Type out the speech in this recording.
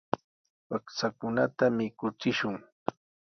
Wakchakunata mikuchishun.